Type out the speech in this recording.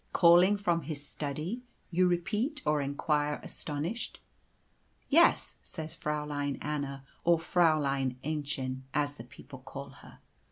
"Calling from his study," you repeat, or enquire, astonished. "Yes," says Fräulein Anna, or Fräulein Aennchen, as the people call her.